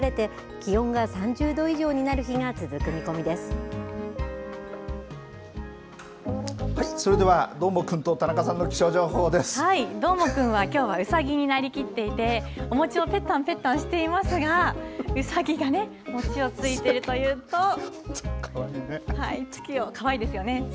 この先もしばらくは晴れて気温が３０度以上になる日がはい、それではどーもくんとどーもくんはきょうはうさぎになりきっていてお餅をぺったんぺったんしていますがうさぎが餅をついているというとかわいいですよね。